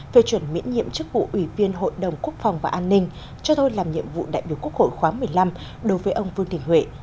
về chuẩn miễn nhiệm chức vụ ủy viên hội đồng quốc phòng và an ninh cho thôi làm nhiệm vụ đại biểu quốc hội khóa một mươi năm đối với ông vương đình huệ